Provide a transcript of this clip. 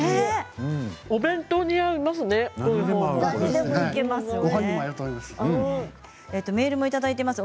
お弁当に合いますね。